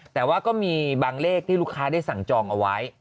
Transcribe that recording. แต่ว่าก็มีบางเลขที่ลูกค้าได้สั่งจองเอาไว้